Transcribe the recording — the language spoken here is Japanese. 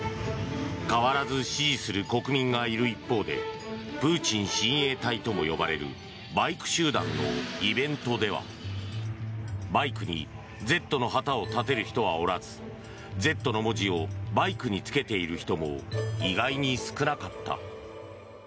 変わらず支持する国民がいる一方でプーチン親衛隊とも呼ばれるバイク集団のイベントではバイクに「Ｚ」の旗を立てる人はおらず「Ｚ」の文字をバイクにつけている人も意外に少なかった。